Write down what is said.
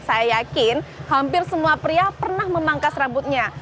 saya yakin hampir semua pria pernah memangkas rambutnya